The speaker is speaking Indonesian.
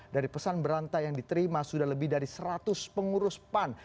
dari pesan berantai yang diterima sudah lebih dari seratus pengurus pan